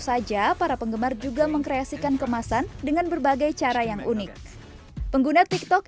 saja para penggemar juga mengkreasikan kemasan dengan berbagai cara yang unik pengguna tiktok